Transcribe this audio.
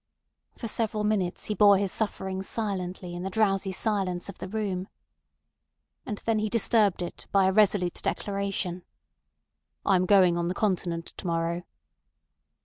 For several minutes he bore his sufferings silently in the drowsy silence of the room. And then he disturbed it by a resolute declaration. "I am going on the Continent to morrow."